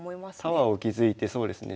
タワーを築いてそうですね。